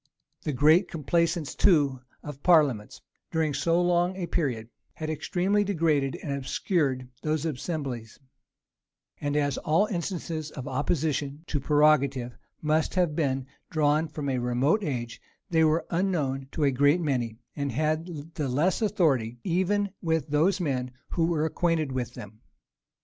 The great complaisance too of parliaments, during so long a period, had extremely degraded and obscured those assemblies; and as all instances of opposition to prerogative must have been drawn from a remote age, they were unknown to a great many, and had the less authority even with those who were acquainted with them.